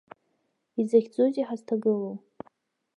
Изахьӡузеи ҳазҭагылоу.